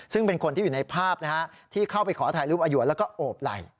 ซึ่งเป็นคนที่อยู่ในภาพที่เข้าไปขอถ่ายรูปอยวนแล้วก็โอบไหล่